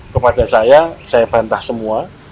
kepada saya saya bantah semua